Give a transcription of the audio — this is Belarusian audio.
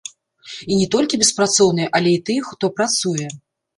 І не толькі беспрацоўныя, але і тыя, хто працуе.